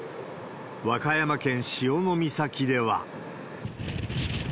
和歌山県潮岬では。